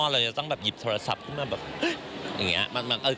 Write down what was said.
เราจะต้องแบบหยิบโทรศัพท์ขึ้นมาแบบอย่างนี้